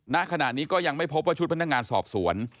ณขณะนี้ก็ยังไม่พบว่าชุดพนักงานสอบสวน